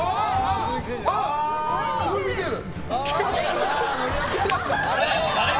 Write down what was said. すごい見てる。